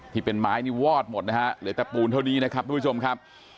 ที่เป็นไม้นี่วอดหมดนะฮะเหลือแต่ปูนเท่านี้นะครับทุกผู้ชมครับ